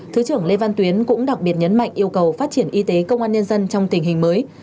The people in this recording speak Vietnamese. thứ trưởng lê văn tuyến cũng đặc biệt nhấn mạnh yêu cầu phát triển y tế công an nhân dân trong tình hình mới